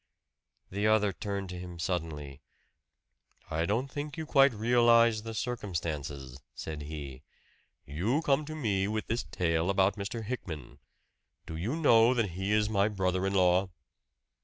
The other turned to him suddenly. "I don't think you quite realize the circumstances," said he. "You come to me with this tale about Mr. Hickman. Do you know that he is my brother in law?"